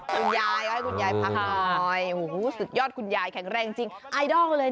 ถือไม้อยู่เนี่ยเต้นอย่างเงี้ย